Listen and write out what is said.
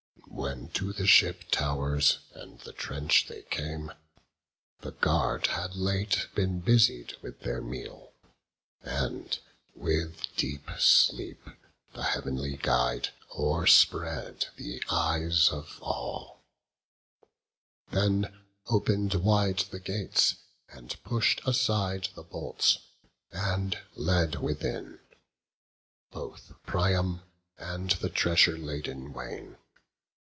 When to the ship tow'rs and the trench they came, The guard had late been busied with their meal; And with deep sleep the heav'nly Guide o'erspread The eyes of all; then open'd wide the gates, And push'd aside the bolts, and led within Both Priam, and the treasure laden wain.